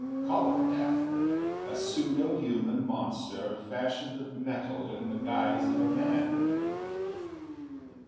Call it that. A pseudo human monster fashioned of metal in the guise of a man."